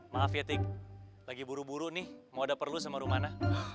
maaf ya tik lagi buru buru nih mau ada perlu sama rumana